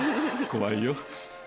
怖いよ。